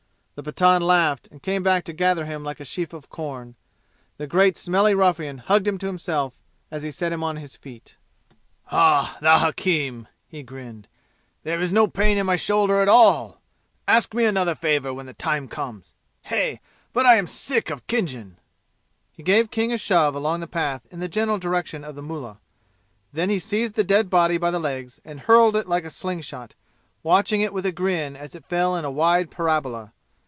The Pathan laughed and came back to gather him like a sheaf of corn. The great smelly ruffian hugged him to himself as he set him on his feet. "Ah! Thou hakim!" he grinned. "There is no pain in my shoulder at all! Ask of me another favor when the time comes! Hey, but I am sick of Khinjan!" He gave King a shove along the path in the general direction of the mullah. Then he seized the dead body by the legs, and hurled it like a sling shot, watching it with a grin as it fell in a wide parabola.